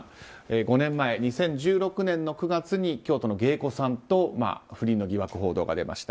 ５年前の２０１６年の９月に京都の芸妓さんと不倫の疑惑報道が出ました。